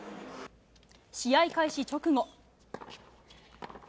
試合開始直後